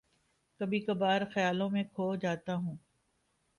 کبھی کبھار خیالوں میں کھو جاتا ہوں